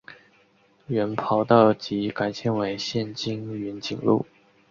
原跑道即改建为现今云锦路。